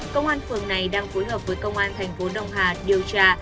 công an phường này đang phối hợp với công an tp đh điều tra